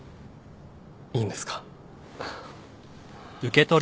いいんですか？